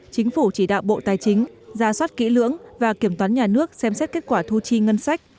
chính phủ chỉ đạo bộ tài chính ra soát kỹ lưỡng và kiểm toán nhà nước xem xét kết quả thu chi ngân sách